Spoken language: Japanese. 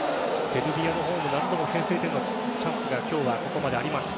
セルビアのほうも何度も先制点のチャンスが今日はここまであります。